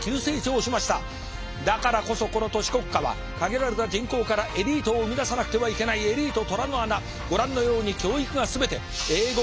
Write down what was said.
だからこそこの都市国家は限られた人口からエリートを生み出さなくてはいけないエリート虎の穴ご覧のように教育が全て英語は必須であります。